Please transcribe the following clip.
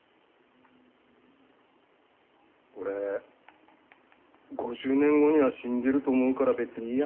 俺５０年後には死んでると思うから別にいいや。